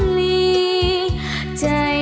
เพลงโดย